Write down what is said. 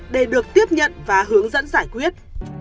để được tiếp nhận và hướng dẫn giải quyết